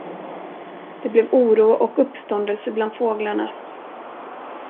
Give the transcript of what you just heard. Det blev oro och uppståndelse bland fåglarna.